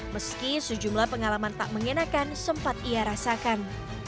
meski sejumlah pengalaman tak mengenakan sempat ia rasakan